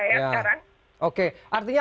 ya sekarang oke artinya